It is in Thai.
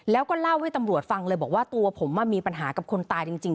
แล้วก็เล่าให้ตำรวจฟังเลยบอกว่าตัวผมมีปัญหากับคนตายจริง